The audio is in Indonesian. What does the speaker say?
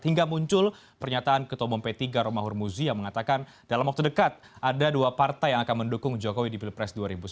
hingga muncul pernyataan ketua umum p tiga romahur muzi yang mengatakan dalam waktu dekat ada dua partai yang akan mendukung jokowi di pilpres dua ribu sembilan belas